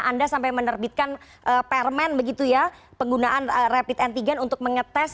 anda sampai menerbitkan permen begitu ya penggunaan rapid antigen untuk mengetes